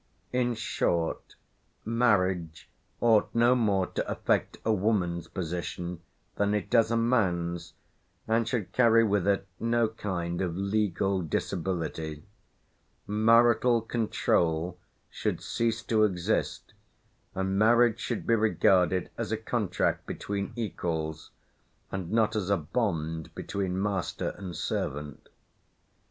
In short, marriage; ought no more to affect a woman's position than it does a man's, and should carry with it no kind of legal disability; "marital control" should cease to exist, and marriage should be regarded as a contract between equals, and not as a bond between master and servant.